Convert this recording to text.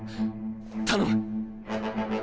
頼む。